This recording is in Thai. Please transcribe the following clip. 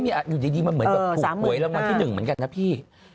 อยู่ดีมันเหมือนกับถูกหวยรางวัลที่๑เหมือนกันนะพี่